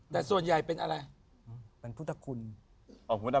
แต่ส่วนใหญ่เป็นอะไร